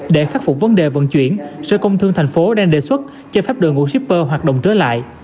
để khắc phục vấn đề vận chuyển sở công thương thành phố đang đề xuất cho pháp đường của shipper hoạt động trở lại